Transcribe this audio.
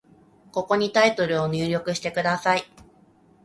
ここにタイトルを入力してください。